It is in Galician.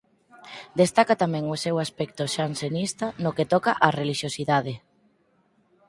Destaca tamén o seu aspecto xansenista no que toca á relixiosidade.